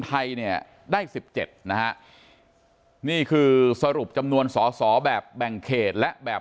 ไทยเนี่ยได้๑๗นะฮะนี่คือสรุปจำนวนสอสอแบบแบ่งเขตและแบบ